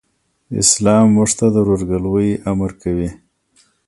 اسلام موږ ته د ورورګلوئ امر کوي.